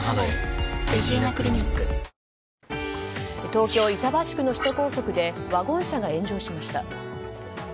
東京・板橋区の首都高速でワゴン車が炎上しました。